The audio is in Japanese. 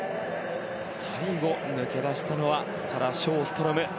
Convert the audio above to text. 最後、抜け出したのはサラ・ショーストロム。